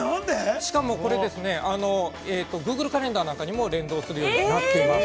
しかもこれですね、Ｇｏｏｇｌｅカレンダーなんかにも連動するようになっています。